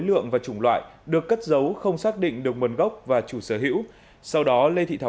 lượng và chủng loại được cất giấu không xác định được nguồn gốc và chủ sở hữu sau đó lê thị thảo